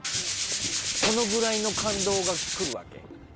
そのぐらいの感動が来るわけ？